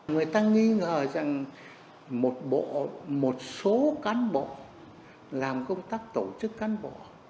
người ta nghi ngờ rằng một bộ một số cán bộ làm công tác tổ chức cán bộ